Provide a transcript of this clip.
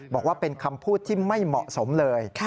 บอกว่าเป็นคำพูดที่ไม่เหมาะสมเลย